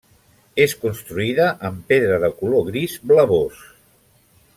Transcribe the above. És construïda amb pedra de color gris blavós.